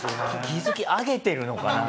築き上げてるのかな？